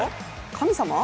神様？